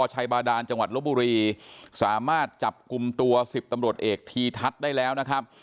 ชัยบาดานจังหวัดลบบุรีสามารถจับกลุ่มตัวสิบตำรวจเอกทีทัศน์ได้แล้วนะครับ